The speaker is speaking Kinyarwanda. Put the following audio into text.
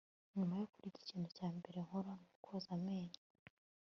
nyuma yo kurya, ikintu cya mbere nkora nukwoza amenyo